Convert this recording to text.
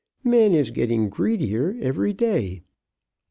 Men is getting greedier every day."